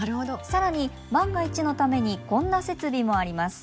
更に万が一のためにこんな設備もあります。